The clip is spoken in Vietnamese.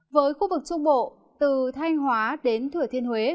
với khu vực trung bộ từ thanh hóa đến thừa thiên huế